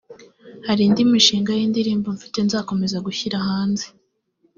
hari indi mishinga y’indirimbo mfite nzakomeza gushyira hanze